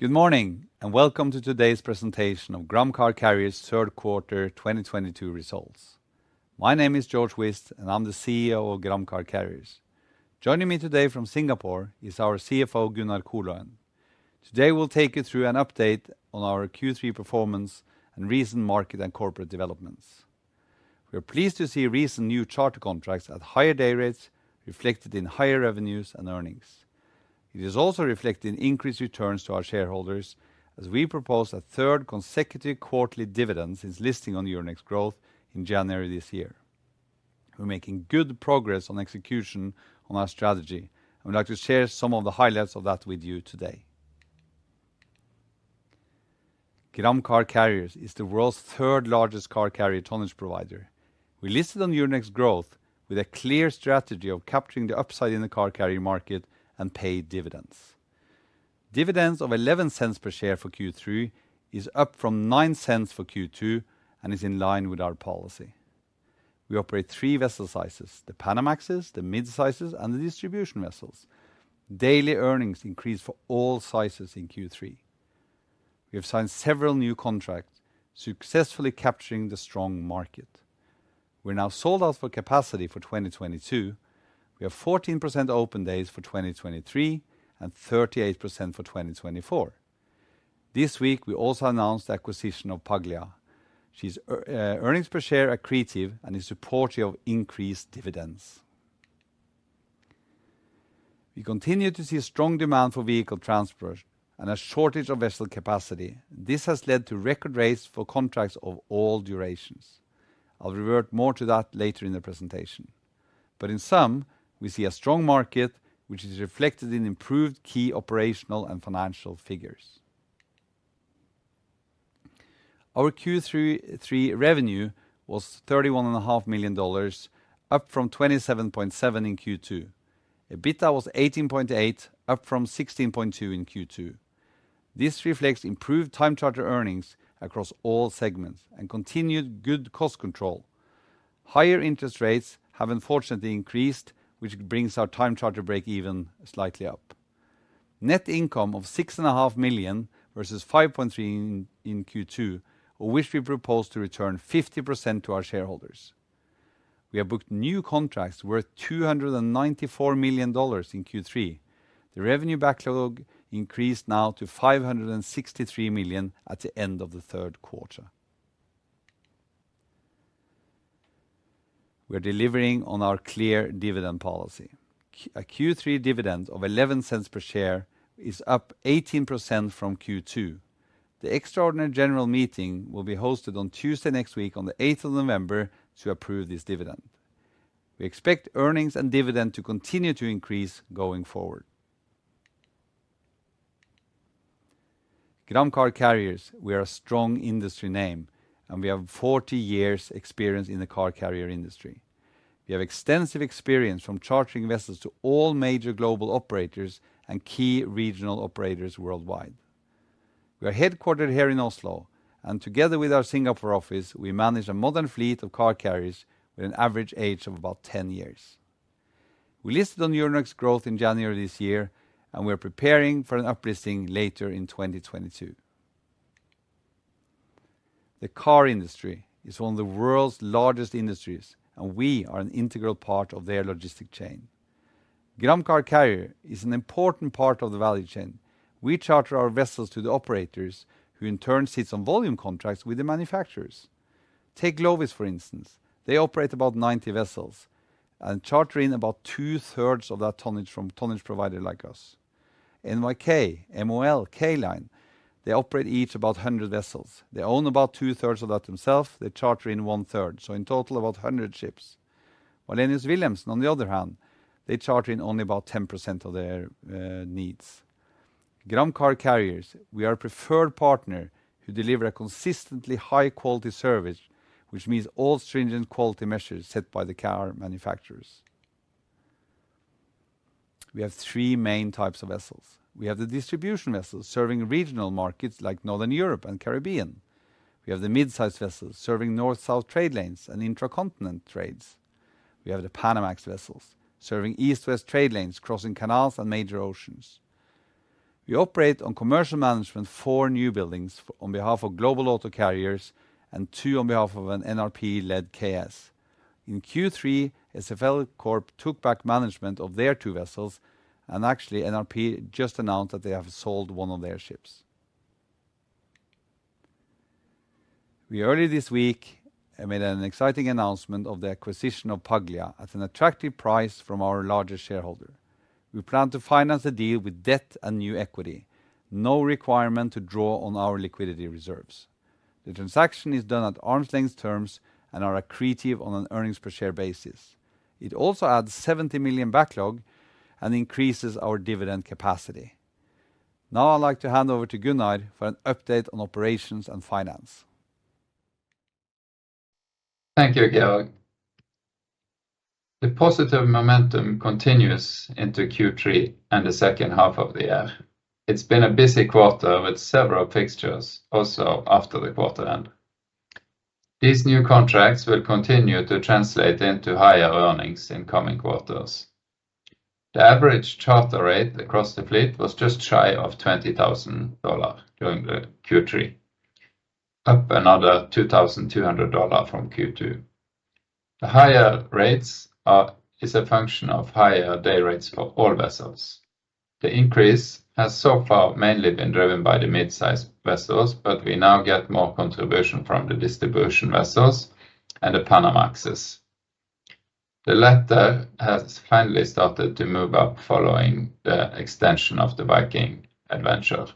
Good morning, and welcome to today's presentation of Gram Car Carriers third quarter 2022 results. My name is Georg Whist, and I'm the CEO of Gram Car Carriers. Joining me today from Singapore is our CFO, Gunnar Koløen. Today we'll take you through an update on our Q3 performance and recent market and corporate developments. We are pleased to see recent new charter contracts at higher day rates reflected in higher revenues and earnings. It is also reflected in increased returns to our shareholders as we propose a third consecutive quarterly dividend since listing on Euronext Growth in January this year. We're making good progress on execution on our strategy. I would like to share some of the highlights of that with you today. Gram Car Carriers is the world's third largest car carrier tonnage provider. We listed on Euronext Growth with a clear strategy of capturing the upside in the car carrier market and pay dividends. Dividends of $0.11 per share for Q3 is up from $0.09 for Q2, and is in line with our policy. We operate three vessel sizes, the Panamaxes, the mid-sizes, and the distribution vessels. Daily earnings increased for all sizes in Q3. We have signed several new contracts, successfully capturing the strong market. We're now sold out for capacity for 2022. We have 14% open days for 2023, and 38% for 2024. This week we also announced the acquisition of Viking Paglia. She's earnings per share accretive and is supportive of increased dividends. We continue to see strong demand for vehicle transfers and a shortage of vessel capacity. This has led to record rates for contracts of all durations. I'll revert more to that later in the presentation. In sum, we see a strong market which is reflected in improved key operational and financial figures. Our Q3 2023 revenue was $31.5 million, up from $27.7 million in Q2. EBITDA was $18.8 million, up from $16.2 million in Q2. This reflects improved time charter earnings across all segments and continued good cost control. Higher interest rates have unfortunately increased, which brings our time charter break even slightly up. Net income of $6.5 million versus $5.3 million in Q2, of which we propose to return 50% to our shareholders. We have booked new contracts worth $294 million in Q3. The revenue backlog increased to $563 million at the end of the third quarter. We are delivering on our clear dividend policy. A Q3 dividend of $0.11 per share is up 18% from Q2. The extraordinary general meeting will be hosted on Tuesday next week on the 8th of November to approve this dividend. We expect earnings and dividend to continue to increase going forward. Gram Car Carriers, we are a strong industry name, and we have 40 years experience in the car carrier industry. We have extensive experience from chartering vessels to all major global operators and key regional operators worldwide. We are headquartered here in Oslo, and together with our Singapore office, we manage a modern fleet of car carriers with an average age of about 10 years. We listed on Euronext Growth in January this year, and we are preparing for an uplisting later in 2022. The car industry is one of the world's largest industries, and we are an integral part of their logistic chain. Gram Car Carriers is an important part of the value chain. We charter our vessels to the operators who in turn sits on volume contracts with the manufacturers. Take Glovis, for instance. They operate about 90 vessels and charter in about two-thirds of that tonnage from tonnage provider like us. NYK, MOL, K Line, they operate each about 100 vessels. They own about two-thirds of that themselves. They charter in one-third. So in total, about 100 ships. Wallenius Wilhelmsen on the other hand, they charter in only about 10% of their needs. Gram Car Carriers, we are a preferred partner who deliver a consistently high-quality service, which means all stringent quality measures set by the car manufacturers. We have three main types of vessels. We have the distribution vessels serving regional markets like Northern Europe and Caribbean. We have the midsize vessels serving north-south trade lanes and intra-continent trades. We have the Panamax vessels serving east-west trade lanes crossing canals and major oceans. We operate on commercial management four newbuildings on behalf of global auto carriers and two on behalf of an NRP-led KS. In Q3, SFL Corp took back management of their two vessels, and actually NRP just announced that they have sold one of their ships. Earlier this week we made an exciting announcement of the acquisition of Viking Paglia at an attractive price from our largest shareholder. We plan to finance the deal with debt and new equity, no requirement to draw on our liquidity reserves. The transaction is done at arm's length terms and are accretive on an earnings per share basis. It also adds $70 million backlog and increases our dividend capacity. Now I'd like to hand over to Gunnar for an update on operations and finance. Thank you, Georg. The positive momentum continues into Q3 and the second half of the year. It's been a busy quarter with several fixtures also after the quarter end. These new contracts will continue to translate into higher earnings in coming quarters. The average charter rate across the fleet was just shy of $20,000 during the Q3, up another $2,200 from Q2. The higher rates are a function of higher day rates for all vessels. The increase has so far mainly been driven by the mid-size vessels, but we now get more contribution from the distribution vessels and the Panamaxes. The latter has finally started to move up following the extension of the Viking Adventure.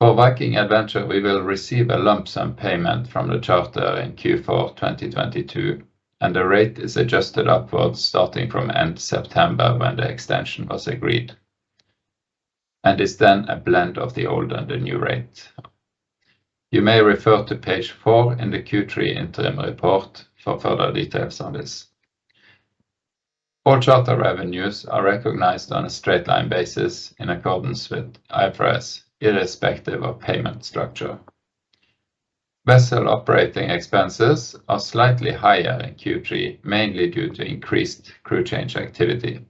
For Viking Adventure, we will receive a lump sum payment from the charter in Q4 2022, and the rate is adjusted upwards starting from end September when the extension was agreed, and is then a blend of the old and the new rate. You may refer to page four in the Q3 interim report for further details on this. All charter revenues are recognized on a straight-line basis in accordance with IFRS, irrespective of payment structure. Vessel operating expenses are slightly higher in Q3, mainly due to increased crew change activity.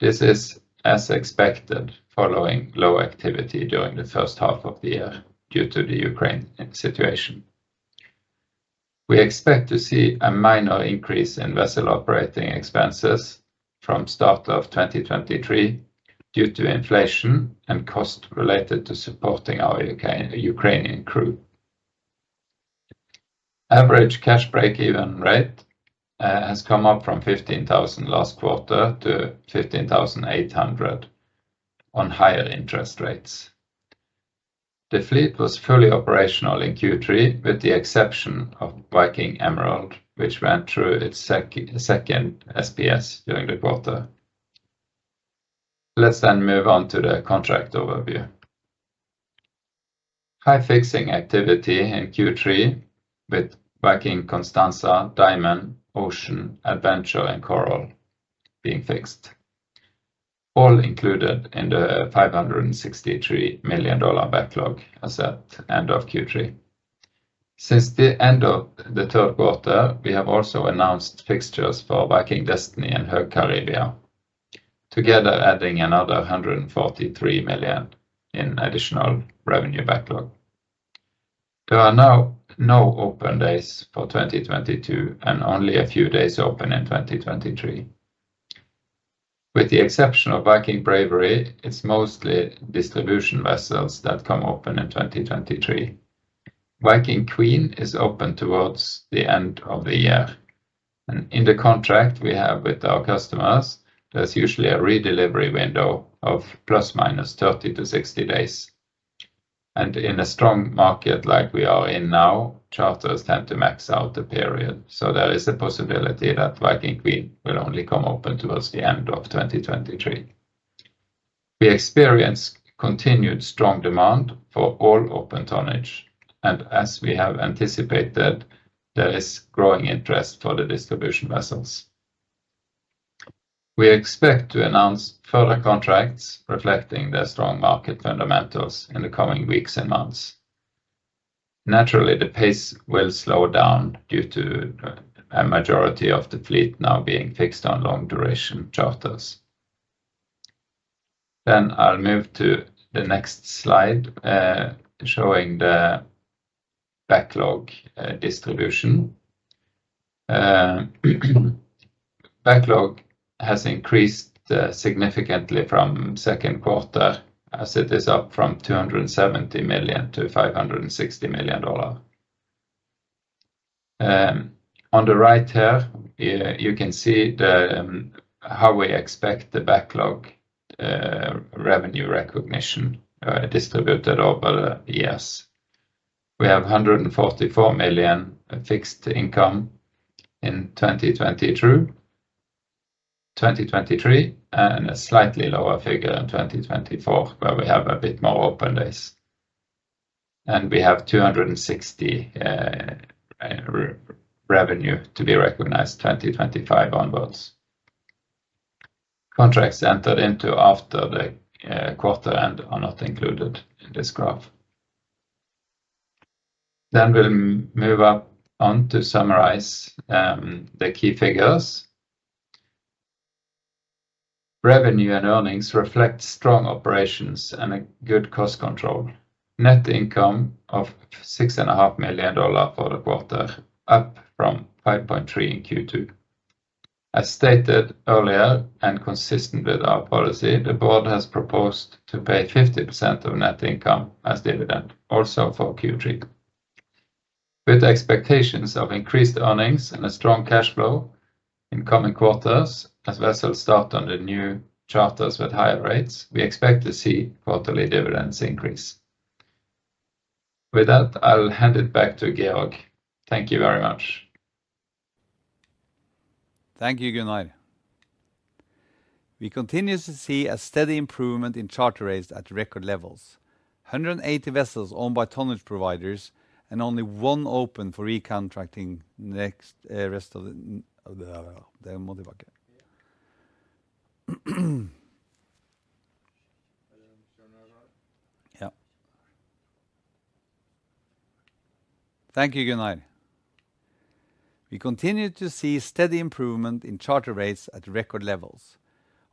This is, as expected, following low activity during the first half of the year due to the Ukraine situation. We expect to see a minor increase in vessel operating expenses from start of 2023 due to inflation and cost related to supporting our Ukrainian crew. Average cash break-even rate has come up from $15,000 last quarter to $15,800 on higher interest rates. The fleet was fully operational in Q3, with the exception of Viking Emerald, which ran through its second SPS during the quarter. Let's move on to the contract overview. High fixing activity in Q3 with Viking Constanza, Diamond, Ocean, Adventure and Coral being fixed. All included in the $563 million backlog as at end of Q3. Since the end of the third quarter, we have also announced fixtures for Viking Destiny and Höegh Caribia, together adding another $143 million in additional revenue backlog. There are now no open days for 2022 and only a few days open in 2023. With the exception of Viking Bravery, it's mostly distribution vessels that come open in 2023. Viking Queen is open towards the end of the year. In the contract we have with our customers, there's usually a redelivery window of ±30-60 days. In a strong market like we are in now, charters tend to max out the period, so there is a possibility that Viking Queen will only come open towards the end of 2023. We experienced continued strong demand for all open tonnage, and as we have anticipated, there is growing interest for the distribution vessels. We expect to announce further contracts reflecting the strong market fundamentals in the coming weeks and months. Naturally, the pace will slow down due to a majority of the fleet now being fixed on long duration charters. I'll move to the next slide, showing the backlog distribution. Backlog has increased significantly from second quarter as it is up from $270 million-$560 million. On the right here, you can see how we expect the backlog revenue recognition distributed over the years. We have $144 million fixed in 2022, 2023, and a slightly lower figure in 2024, where we have a bit more open days. We have $260 million revenue to be recognized 2025 onwards. Contracts entered into after the quarter end are not included in this graph. We'll move on to summarize the key figures. Revenue and earnings reflect strong operations and a good cost control. Net income of $6.5 million for the quarter, up from $5.3 million in Q2. As stated earlier and consistent with our policy, the board has proposed to pay 50% of net income as dividend, also for Q3. With expectations of increased earnings and a strong cash flow in coming quarters as vessels start on the new charters with higher rates, we expect to see quarterly dividends increase. With that, I will hand it back to Georg. Thank you very much. Thank you, Gunnar. We continue to see steady improvement in charter rates at record levels.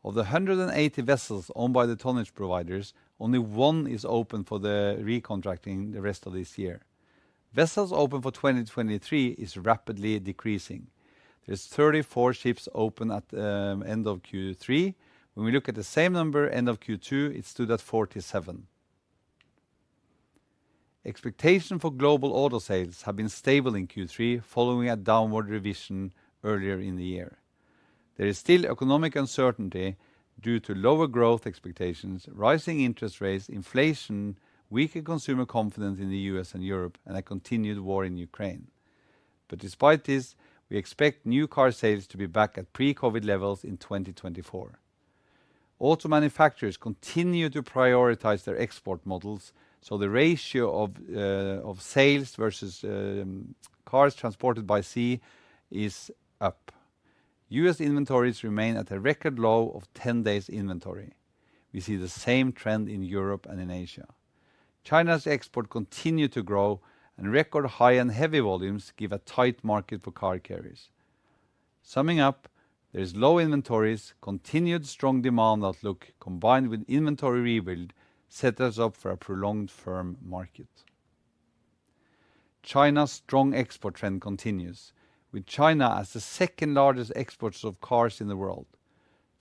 Of the 180 vessels owned by the tonnage providers, only one is open for the recontracting the rest of this year. Vessels open for 2023 is rapidly decreasing. There are 34 ships open at end of Q3. When we look at the same number end of Q2, it stood at 47. Expectation for global auto sales have been stable in Q3, following a downward revision earlier in the year. There is still economic uncertainty due to lower growth expectations, rising interest rates, inflation, weaker consumer confidence in the U.S. and Europe, and a continued war in Ukraine. Despite this, we expect new car sales to be back at pre-COVID levels in 2024. Auto manufacturers continue to prioritize their export models, so the ratio of sales versus cars transported by sea is up. U.S. inventories remain at a record low of 10 days inventory. We see the same trend in Europe and in Asia. China's export continue to grow, and record high and heavy volumes give a tight market for car carriers. Summing up, there is low inventories, continued strong demand outlook combined with inventory rebuild set us up for a prolonged firm market. China's strong export trend continues, with China as the second largest exporters of cars in the world.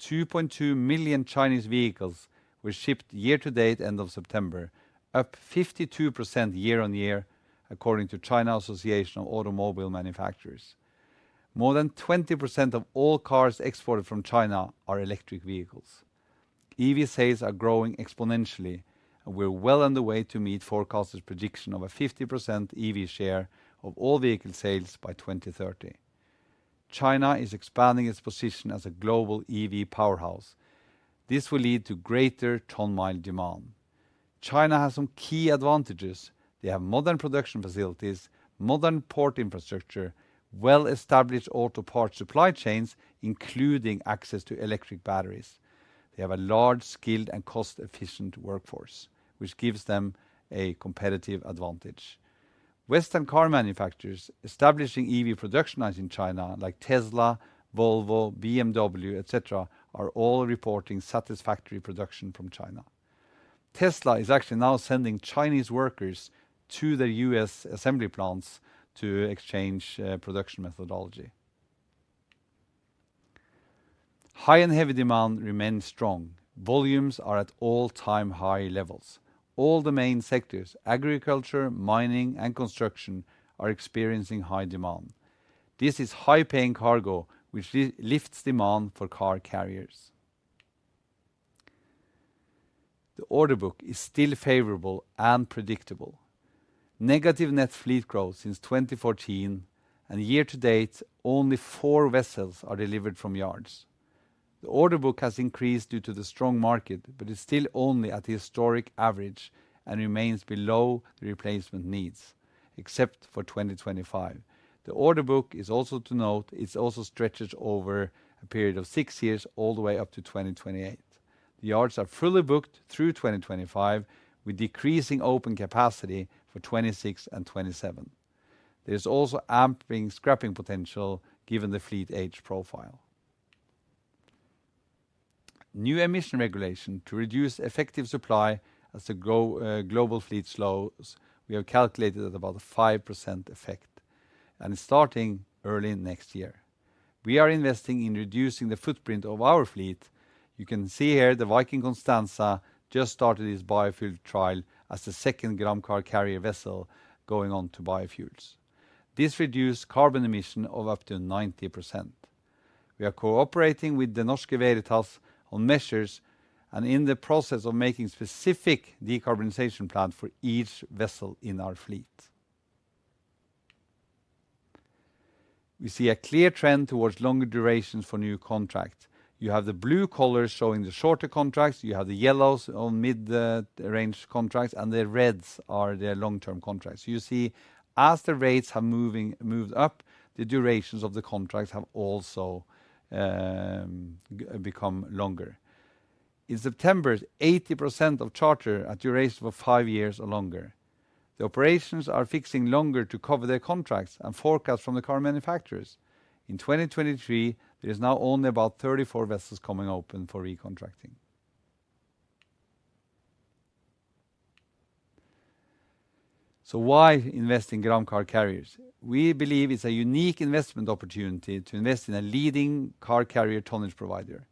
2.2 million Chinese vehicles were shipped year-to-date end of September, up 52% year-on-year according to China Association of Automobile Manufacturers. More than 20% of all cars exported from China are electric vehicles. EV sales are growing exponentially, and we're well on the way to meet forecasters' prediction of a 50% EV share of all vehicle sales by 2030. China is expanding its position as a global EV powerhouse. This will lead to greater ton-mile demand. China has some key advantages. They have modern production facilities, modern port infrastructure, well-established auto parts supply chains, including access to electric batteries. They have a large, skilled, and cost-efficient workforce, which gives them a competitive advantage. Western car manufacturers establishing EV production lines in China like Tesla, Volvo, BMW, et cetera, are all reporting satisfactory production from China. Tesla is actually now sending Chinese workers to the U.S. assembly plants to exchange production methodology. High and heavy demand remains strong. Volumes are at all-time high levels. All the main sectors, agriculture, mining, and construction, are experiencing high demand. This is high-paying cargo which lifts demand for car carriers. The order book is still favorable and predictable. Negative net fleet growth since 2014 and year to date, only four vessels are delivered from yards. The order book has increased due to the strong market, but is still only at the historic average and remains below the replacement needs, except for 2025. The order book is also to note, it also stretches over a period of six years all the way up to 2028. The yards are fully booked through 2025, with decreasing open capacity for 2026 and 2027. There's also impending scrapping potential given the fleet age profile. New emission regulations to reduce effective supply as they go, global fleet slows. We have calculated about a 5% effect, and it's starting early next year. We are investing in reducing the footprint of our fleet. You can see here the Viking Constanza just started its biofuel trial as the second Gram Car Carriers vessel going on to biofuels. This reduces carbon emissions of up to 90%. We are cooperating with Det Norske Veritas on measures and in the process of making specific decarbonization plans for each vessel in our fleet. We see a clear trend towards longer durations for new contracts. You have the blue color showing the shorter contracts, you have the yellows on mid-range contracts, and the reds are their long-term contracts. You see, as the rates are moving up, the durations of the contracts have also become longer. In September, 80% of charter durations for five years or longer. The operators are fixing longer to cover their contracts and forecast from the car manufacturers. In 2023, there is now only about 34 vessels coming open for recontracting. Why invest in Gram Car Carriers? We believe it's a unique investment opportunity to invest in a leading car carrier tonnage provider.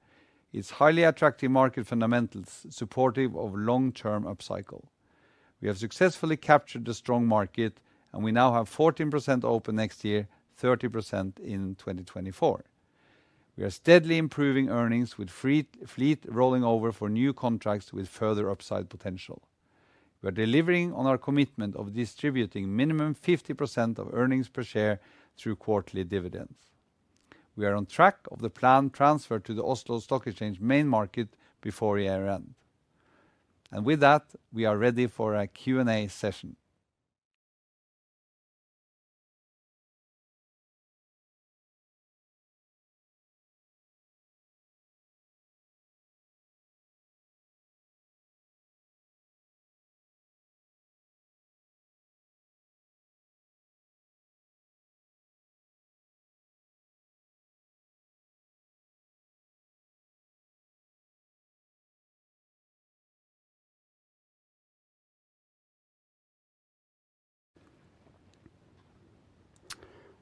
It's highly attractive market fundamentals supportive of long-term upcycle. We have successfully captured the strong market, and we now have 14% open next year, 30% in 2024. We are steadily improving earnings with fleet rolling over for new contracts with further upside potential. We are delivering on our commitment of distributing minimum 50% of earnings per share through quarterly dividends. We are on track for the planned transfer to the Oslo Stock Exchange main market before year-end. With that, we are ready for a Q&A session.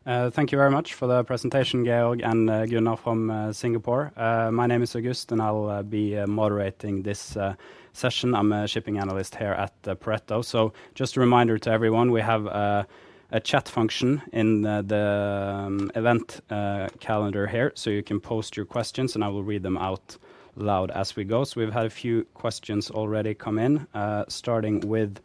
Thank you very much for the presentation, Georg and Gunnar from Singapore. My name is August, and I'll be moderating this session. I'm a shipping analyst here at Pareto. Just a reminder to everyone, we have a chat function in the event calendar here. You can post your questions, and I will read them out loud as we go. We've had a few questions already come in, starting with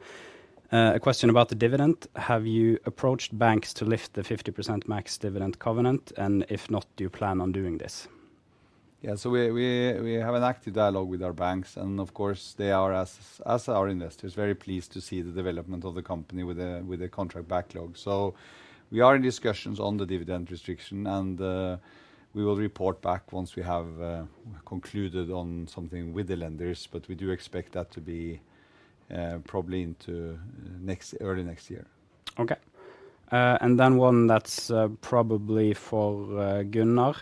a question about the dividend. Have you approached banks to lift the 50% max dividend covenant? And if not, do you plan on doing this? Yeah. We have an active dialogue with our banks, and of course they are, as our investors, very pleased to see the development of the company with a contract backlog. We are in discussions on the dividend restriction and we will report back once we have concluded on something with the lenders. We do expect that to be probably early next year. Okay. One that's probably for Gunnar.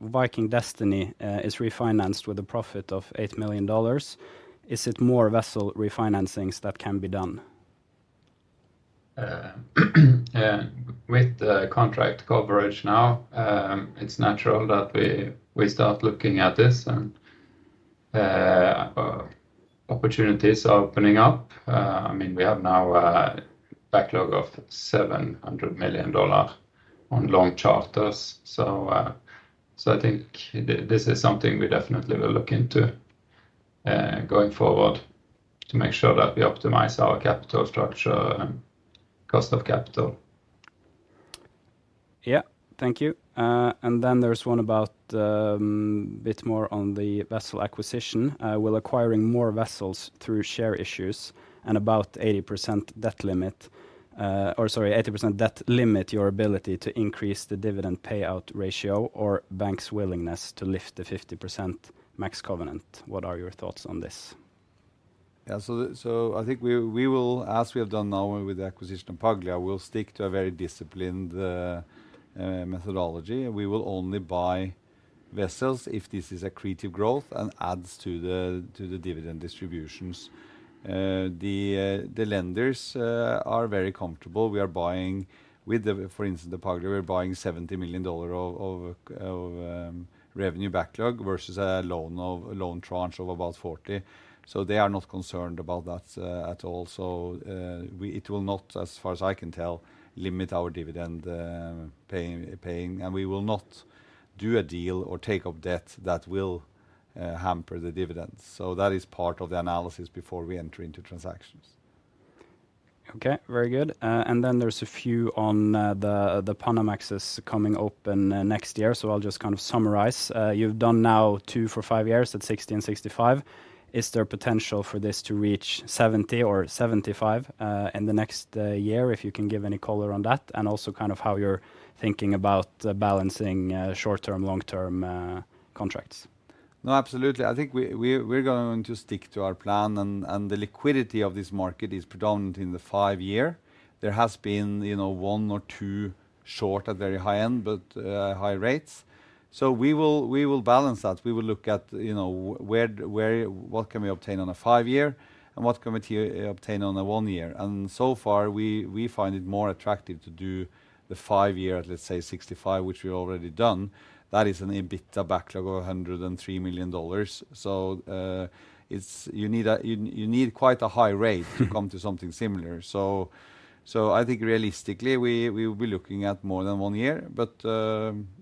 Viking Destiny is refinanced with a profit of $8 million. Is there more vessel refinancings that can be done? Yeah. With the contract coverage now, it's natural that we start looking at this and opportunities are opening up. I mean, we have now a backlog of $700 million on long charters. I think this is something we definitely will look into going forward to make sure that we optimize our capital structure and cost of capital. Thank you. There's one about a bit more on the vessel acquisition. Will acquiring more vessels through share issues and about 80% debt limit your ability to increase the dividend payout ratio or bank's willingness to lift the 50% max covenant? What are your thoughts on this? I think we will, as we have done now with the acquisition of Paglia, stick to a very disciplined methodology. We will only buy vessels if this is accretive growth and adds to the dividend distributions. The lenders are very comfortable. We are buying, for instance, the Paglia; we're buying $70 million of revenue backlog versus a loan tranche of about $40 million. They are not concerned about that at all. It will not, as far as I can tell, limit our dividend paying. We will not do a deal or take up debt that will hamper the dividends. That is part of the analysis before we enter into transactions. Okay. Very good. There's a few on the Panamax's coming open next year. I'll just kind of summarize. You've done now two for five years at 60 and 65. Is there potential for this to reach 70 or 75 in the next year? If you can give any color on that. Also kind of how you're thinking about balancing short-term, long-term contracts. No, absolutely. I think we're going to stick to our plan and the liquidity of this market is predominant in the five-year. There has been, you know, one or two shorter, very high-end, but high rates. We will balance that. We will look at, you know, what can we obtain on a five-year and what can we obtain on a one-year. So far we find it more attractive to do the five-year at, let's say 65, which we've already done. That is an EBITDA backlog of $103 million. You need quite a high rate to come to something similar. I think realistically we will be looking at more than one year.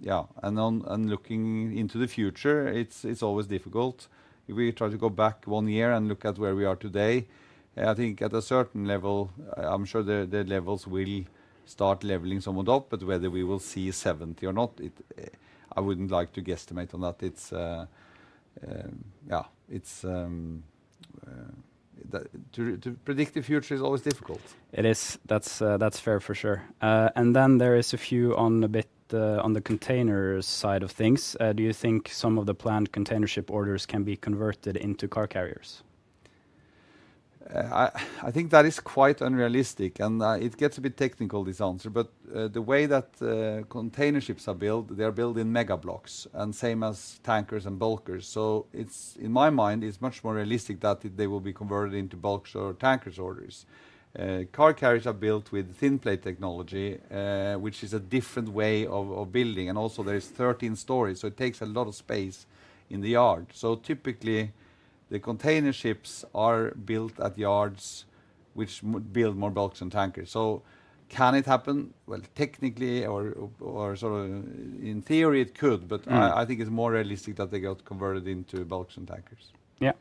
Yeah. Looking into the future it's always difficult. If we try to go back one year and look at where we are today, I think at a certain level, I'm sure the levels will start leveling somewhat up. Whether we will see 70 or not, it, I wouldn't like to guesstimate on that. It's, yeah, it's to predict the future is always difficult. It is. That's fair for sure. There is a few on a bit on the container side of things. Do you think some of the planned container ship orders can be converted into car carriers? I think that is quite unrealistic and it gets a bit technical, this answer bit. The way that container ships are built, they are built in mega blocks and same as tankers and bulkers. It's, in my mind, it's much more realistic that they will be converted into bulkers or tankers' orders. Car carriers are built with thin plate technology, which is a different way of building. Also there is 13 stories, so it takes a lot of space in the yard. Typically, the container ships are built at yards which would build more bulkers than tankers. Can it happen? Well, technically or sort of in theory it could. Mm-hmm I think it's more realistic that they get converted into bulkers and tankers. Yeah.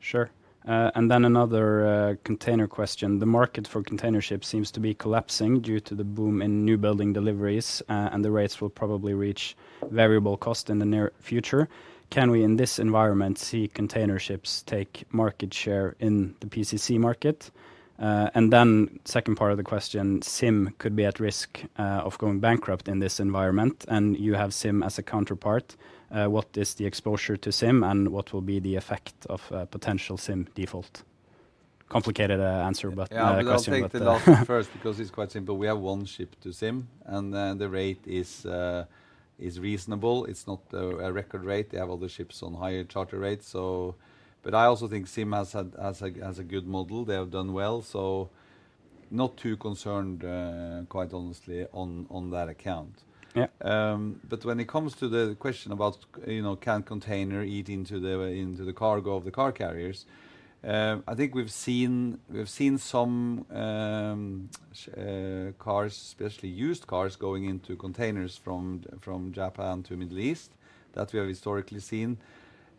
Sure. Another container question. The market for container ships seems to be collapsing due to the boom in newbuilding deliveries, and the rates will probably reach variable cost in the near future. Can we, in this environment, see container ships take market share in the PCC market? Second part of the question, ZIM could be at risk of going bankrupt in this environment, and you have ZIM as a counterpart. What is the exposure to ZIM, and what will be the effect of a potential ZIM default? Complicated answer, but assume that. Yeah. I'll take the last one first because it's quite simple. We have one ship to ZIM, and the rate is reasonable. It's not a record rate. They have other ships on higher charter rates. I also think ZIM has a good model. They have done well, so not too concerned, quite honestly on that account. Yeah. When it comes to the question about, you know, can container eat into the cargo of the car carriers, I think we've seen some cars, especially used cars, going into containers from Japan to Middle East. That we have historically seen.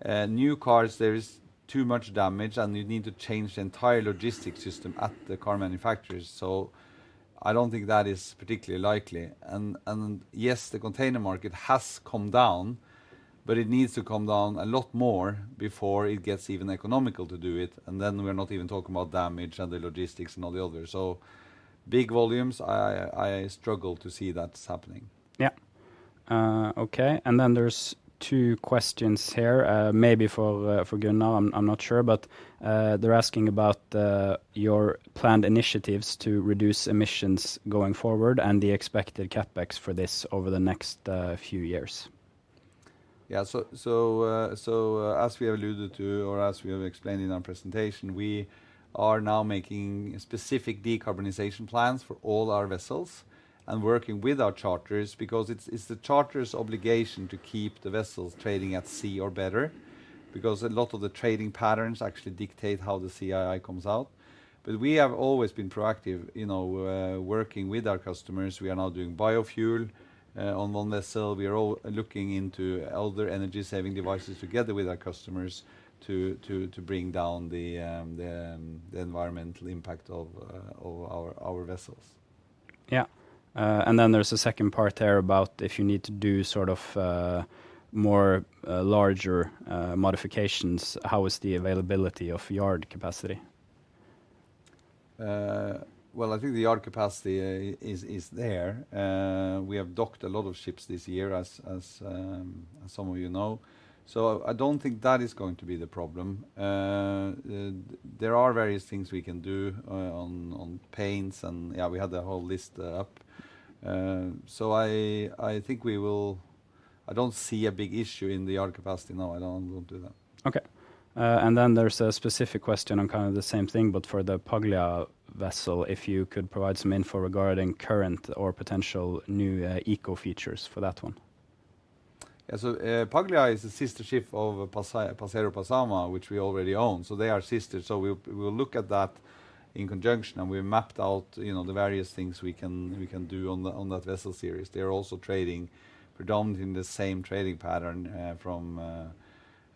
New cars, there is too much damage, and you need to change the entire logistics system at the car manufacturers. I don't think that is particularly likely. Yes, the container market has come down, but it needs to come down a lot more before it gets even economical to do it. Then we're not even talking about damage and the logistics and all the others. Big volumes, I struggle to see that happening. Okay. There's two questions here, maybe for Gunnar. Now I'm not sure. They're asking about your planned initiatives to reduce emissions going forward and the expected CapEx for this over the next few years. Yeah. As we have alluded to or as we have explained in our presentation, we are now making specific decarbonization plans for all our vessels and working with our charters because it's the charter's obligation to keep the vessels trading at sea or better because a lot of the trading patterns actually dictate how the CII comes out. But we have always been proactive, you know, working with our customers. We are now doing biofuel on one vessel. We are all looking into other energy-saving devices together with our customers to bring down the environmental impact of our vessels. Yeah. There's a second part there about if you need to do sort of more larger modifications. How is the availability of yard capacity? Well, I think the yard capacity is there. We have docked a lot of ships this year as some of you know. I don't think that is going to be the problem. There are various things we can do on paints and yeah, we had the whole list up. I think we will. I don't see a big issue in the yard capacity, no, I don't do that. Okay. There's a specific question on kind of the same thing, but for the Viking Paglia vessel. If you could provide some info regarding current or potential new eco features for that one. Yeah. Paglia is a sister ship of Passama, which we already own, so they are sisters. We will look at that in conjunction, and we mapped out, you know, the various things we can do on that vessel series. They are also trading predominantly in the same trading pattern from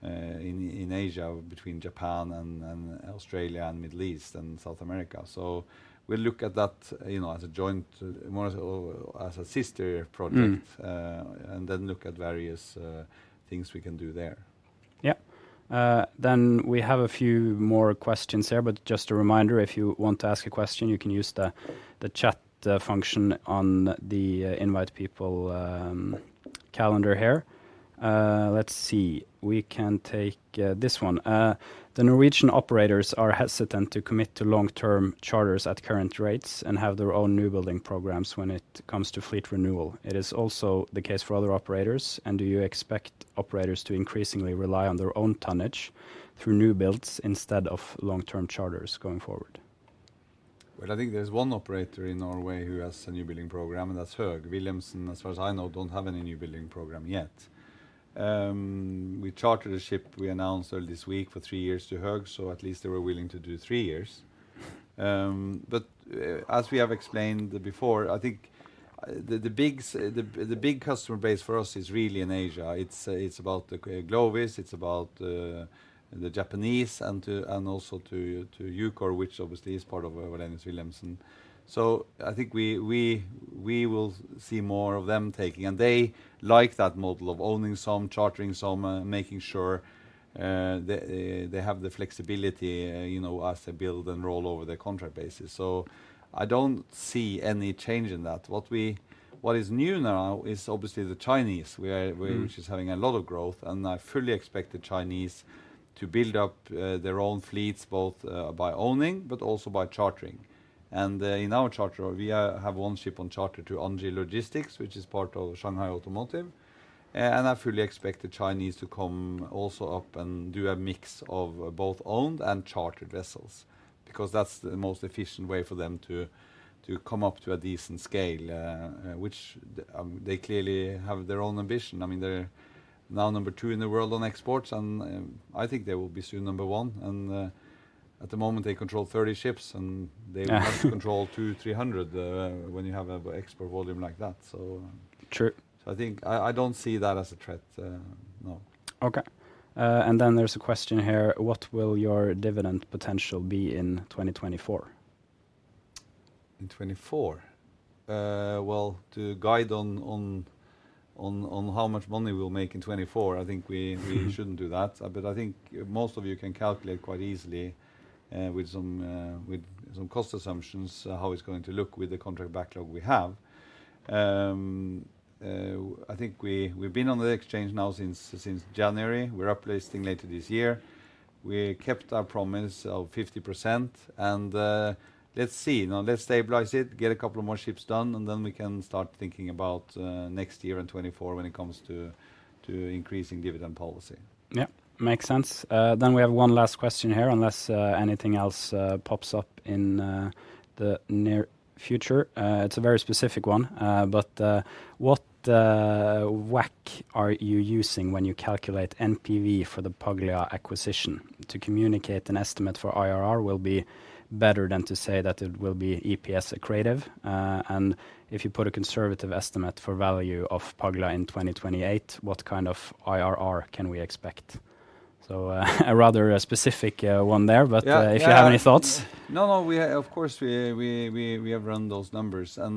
in Asia between Japan and Australia and Middle East and South America. We look at that, you know, as a joint, more as a sister project. Mm. Look at various things we can do there. We have a few more questions here, but just a reminder, if you want to ask a question, you can use the chat function on the InvitePeople calendar here. We can take this one. "The Norwegian operators are hesitant to commit to long-term charters at current rates and have their own newbuilding programs when it comes to fleet renewal. It is also the case for other operators, and do you expect operators to increasingly rely on their own tonnage through new builds instead of long-term charters going forward? Well, I think there's one operator in Norway who has a new building program, and that's Höegh. Wallenius Wilhelmsen, as far as I know, don't have any new building program yet. We chartered a ship we announced early this week for three years to Höegh, so at least they were willing to do three years. But as we have explained before, I think the big customer base for us is really in Asia. It's about the Glovis. It's about the Japanese and also to EUKOR, which obviously is part of Wallenius Wilhelmsen. I think we will see more of them taking. They like that model of owning some, chartering some, making sure they have the flexibility, you know, as they build and roll over their contract basis. I don't see any change in that. What is new now is obviously the Chinese. We are Mm-hmm which is having a lot of growth, and I fully expect the Chinese to build up their own fleets both by owning but also by chartering. In our charter, we have one ship on charter to Anji Logistics, which is part of SAIC Motor. I fully expect the Chinese to come also up and do a mix of both owned and chartered vessels because that's the most efficient way for them to come up to a decent scale, which they clearly have their own ambition. I mean, they're now number two in the world on exports, and I think they will be soon number one and at the moment, they control 30 ships and they have to control 200-300 when you have an export volume like that, so. True. I think, I don't see that as a threat, no. Okay. There's a question here: what will your dividend potential be in 2024? In 2024? To guide on how much money we'll make in 2024, I think we shouldn't do that. I think most of you can calculate quite easily with some cost assumptions how it's going to look with the contract backlog we have. I think we've been on the exchange now since January. We're uplisting later this year. We kept our promise of 50% and let's see. Now, let's stabilize it, get a couple of more ships done, and then we can start thinking about next year and 2024 when it comes to increasing dividend policy. Yeah. Makes sense. We have one last question here, unless anything else pops up in the near future. It's a very specific one. What WACC are you using when you calculate NPV for the Paglia acquisition? To communicate an estimate for IRR will be better than to say that it will be EPS accretive. If you put a conservative estimate for value of Paglia in 2028, what kind of IRR can we expect? A rather specific one there. Yeah, yeah. if you have any thoughts. No, of course, we have run those numbers. I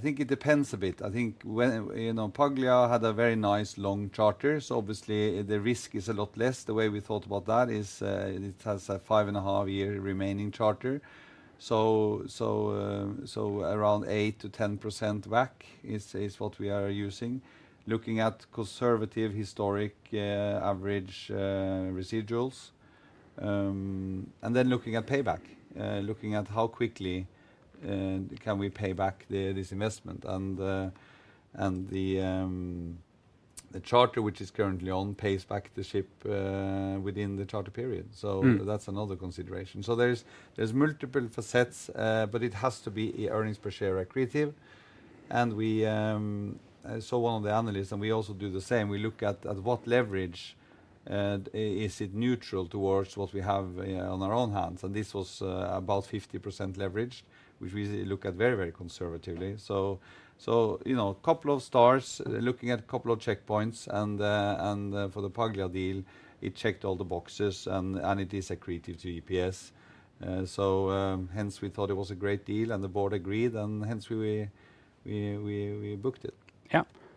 think it depends a bit. I think you know, Paglia had a very nice long charter, so obviously the risk is a lot less. The way we thought about that is, it has a 5.5-year remaining charter. Around 8%-10% WACC is what we are using. Looking at conservative historic average residuals, and then looking at payback, looking at how quickly can we pay back this investment. The charter which is currently on pays back the ship within the charter period. Mm. That's another consideration. There is, there's multiple facets, but it has to be earnings per share accretive. We saw one of the analysts, and we also do the same, we look at what leverage is it neutral towards what we have on our own hands. This was about 50% leverage, which we look at very, very conservatively. You know, couple of stars, looking at a couple of checkpoints and for the Paglia deal, it checked all the boxes and it is accretive to EPS. Hence we thought it was a great deal and the board agreed, and hence we booked it.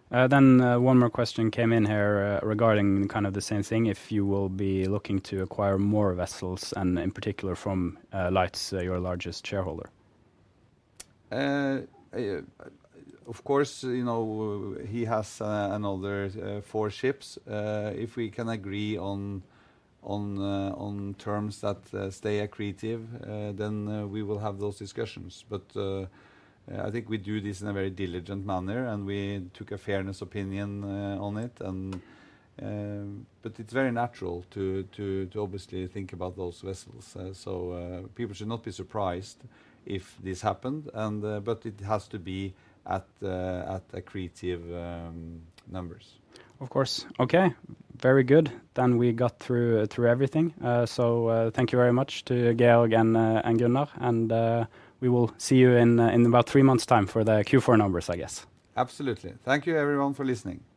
One more question came in here, regarding kind of the same thing, if you will be looking to acquire more vessels and in particular from Laeisz, your largest shareholder. Of course, you know, he has another four ships. If we can agree on terms that stay accretive, then we will have those discussions. I think we do this in a very diligent manner, and we took a fairness opinion on it. It's very natural to obviously think about those vessels. People should not be surprised if this happened and but it has to be at accretive numbers. Of course. Okay. Very good. We got through everything. Thank you very much to Georg and Gunnar. We will see you in about three months' time for the Q4 numbers, I guess. Absolutely. Thank you everyone for listening.